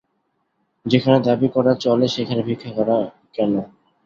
যেখানে দাবি করা চলে সেখানে ভিক্ষা করা কেন।